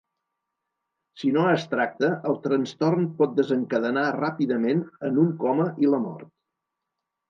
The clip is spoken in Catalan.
Si no es tracta, el trastorn pot desencadenar ràpidament en un coma i la mort.